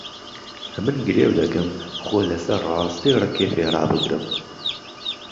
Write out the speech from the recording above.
ئەمن گرێو دهکهم خۆ له سهر ڕاستەی ڕکێفێ ڕابگرم